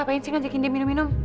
apa yang ingin dia minum minum